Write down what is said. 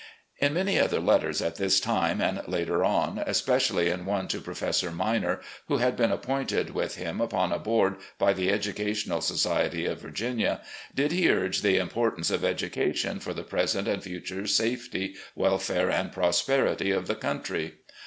In many other letters at this time and later on, espe cially in one to Professor Minor, who had been appointed with him upon a board by the Educational Society of Vii^[inia, did he urge the importance of education for the present and future safety, welfare, and prosperity of the cotmtry.